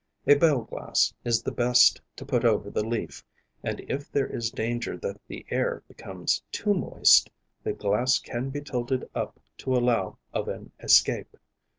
A bell glass is the best to put over the leaf, and if there is danger that the air become too moist, the glass can be tilted up to allow of an escape.